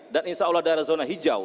dan insya allah ada zona hijau